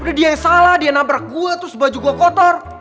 udah dia yang salah dia nabrak gue terus baju gue kotor